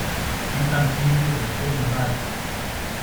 Ήταν ήδη οκτώ το βράδυ